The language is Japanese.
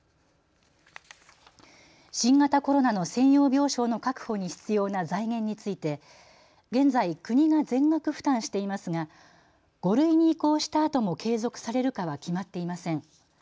新型コロナの専用病床の確保に必要な財源について現在、国が全額負担していますが５類に移行したあとも継続されるかは決まっていません。